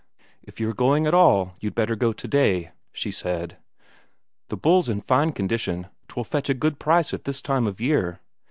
"If you are going at all, you'd better go today," she said. "The bull's in fine condition; 'twill fetch a good price at this time of year.